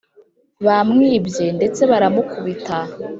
bamwibye ndetse baramukubita.